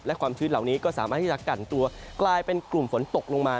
และความชื้นเหล่านี้ก็สามารถที่จะกันตัวกลายเป็นกลุ่มฝนตกลงมา